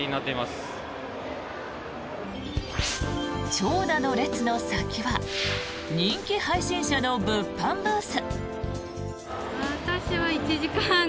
長蛇の列の先は人気配信者の物販ブース。